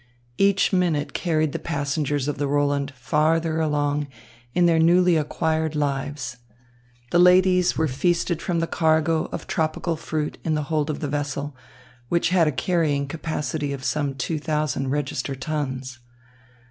Each minute carried the passengers of the Roland farther along in their newly acquired lives. The ladies were feasted from the cargo of tropical fruit in the hold of the vessel, which had a carrying capacity of some two thousand register tons.